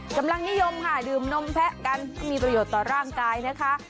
กำลังนิยมค่ะดื่มนมแพะกันที่มีประโยชน์ต่อร่างกายนะคะ